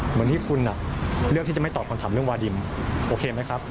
เหมือนที่คุณเลือกที่จะไม่ตอบคำถามเรื่องวาดิมโอเคไหมครับ